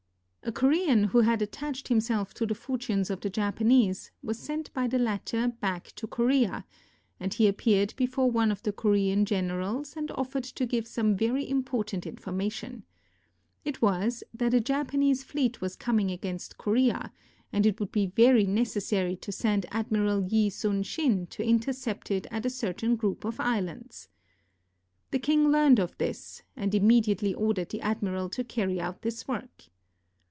A Korean who had attached himself to the fortunes of the Japanese was sent by the latter back to Korea, and he appeared before one of the Korean generals and of fered to give some very important information. It was that a Japanese fleet was coming against Korea, and it would be very necessary to send Admiral Yi Sun sin to intercept it at a certain group of islands. The king learned of this, and immediately ordered the admiral to carry out this work.